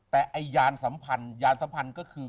มียานสัมพันธ์ยานสัมพันธ์ก็คือ